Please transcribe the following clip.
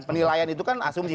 penilaian itu kan asumsi